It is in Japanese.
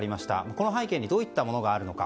この背景にどういったものがあるのか